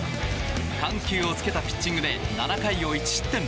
緩急をつけたピッチングで７回を１失点。